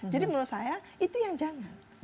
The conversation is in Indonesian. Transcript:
jadi menurut saya itu yang jangan